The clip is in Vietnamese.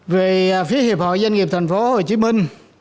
về phía hiệp hội doanh nghiệp thành phố hồ chí minh